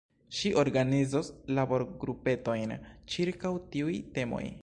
Ŝi organizos laborgrupetojn ĉirkaŭ tiuj temoj.